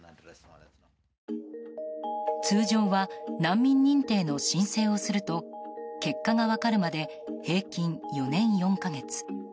通常は、難民認定の申請をすると結果が分かるまで平均４年４か月。